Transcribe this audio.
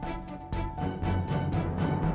ini kan obatnya ibu